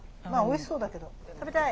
まあおいしそうだけど。